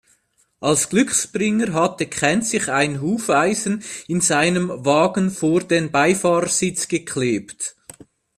Als Glücksbringer hatte Ken sich ein Hufeisen in seinem Wagen vor den Beifahrersitz geklebt.